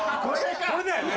これだよね？